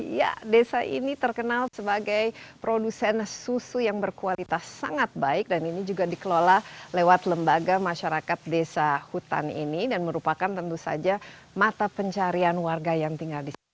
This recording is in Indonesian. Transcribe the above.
ya desa ini terkenal sebagai produsen susu yang berkualitas sangat baik dan ini juga dikelola lewat lembaga masyarakat desa hutan ini dan merupakan tentu saja mata pencarian warga yang tinggal di sini